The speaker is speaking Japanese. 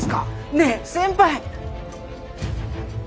ねぇ先輩！